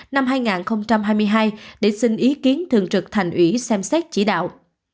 năm hai nghìn hai mươi hai để xin ý kiến thường trực thành ủy xem xét chỉ đạo